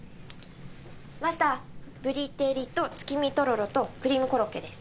マスターぶり照りと月見とろろとクリームコロッケです。